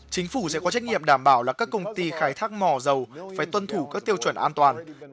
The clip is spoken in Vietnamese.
chính phủ sẽ có trách nhiệm đảm bảo là các công ty khai thác mỏ dầu phải tuân thủ các tiêu chuẩn an toàn